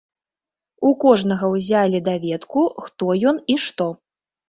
У кожнага ўзялі даведку хто ён і што.